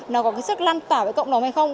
nó có cái sức lan tỏa với cộng đồng hay không